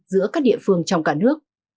giữa các địa phương trong cả nước